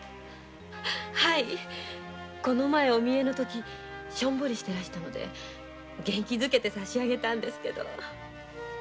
はいこの前お見えの時しょんぼりしてらしたので元気づけてさしあげたんですけど。